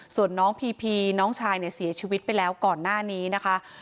ส่วนน้องพีพีน้องชายเนี่ยเสียชีวิตไปแล้วก่อนหน้านี้นะคะ